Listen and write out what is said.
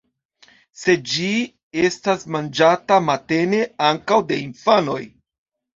Sed ĝi estas manĝata matene ankaŭ de infanoj.